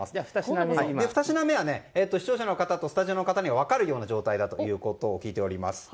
２品目は視聴者の方とスタジオの方には分かるような状態だと聞いています。